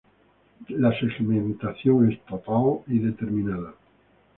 La segmentación es total y determinada.